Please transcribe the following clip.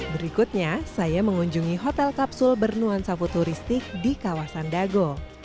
berikutnya saya mengunjungi hotel kapsul bernuansa futuristik di kawasan dago